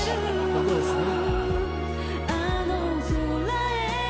ここですね。